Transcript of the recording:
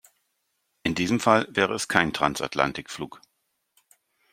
In diesem Fall wäre es kein Transatlantikflug.